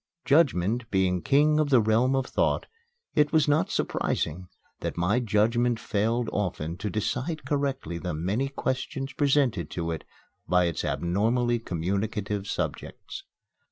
Judgment being King of the Realm of Thought, it was not surprising that my judgment failed often to decide correctly the many questions presented to it by its abnormally communicative subjects.